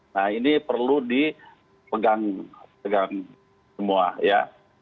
nah ini perlu dipegang semua ya